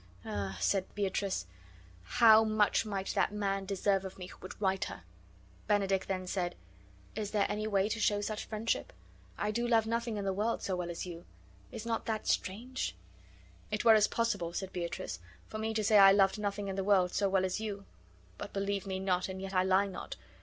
"Ah," said Beatrice, "how much might that man deserve of me who would right her!" Benedick then said: "Is there any way to show such friendship? I do love nothing in the world so well as you. Is not that strange?" "It were as possible," said Beatrice, "for me to say I loved nothing in the world so well as you; but believe me not, and yet I lie not.